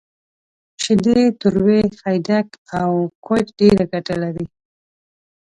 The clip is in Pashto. شیدې، تروی، خیدک، او کوچ ډیره ګټه لری